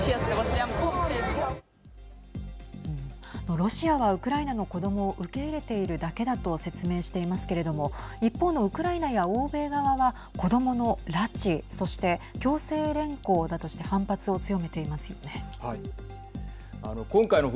ロシアはウクライナの子どもを受け入れているだけだと説明していますけれども一方のウクライナや欧米側は子どもの拉致、そして強制連行だとして反発を強めていますよね。